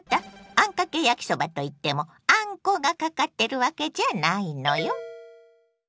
あんかけ焼きそばといっても「あんこ」がかかってるわけじゃないのよ。